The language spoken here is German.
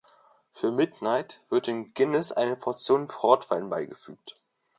Für "Midnight" wird dem Guinness eine Portion Portwein beigefügt.